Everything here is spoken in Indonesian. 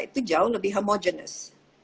itu jauh lebih homogenes